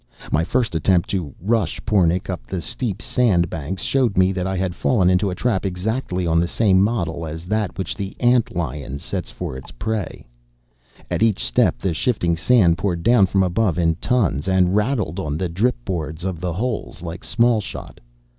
My first attempt to "rush" Pornic up the steep sand banks showed me that I had fallen into a trap exactly on the same model as that which the ant lion sets for its prey. At each step the shifting sand poured down from above in tons, and rattled on the drip boards of the holes like small shot.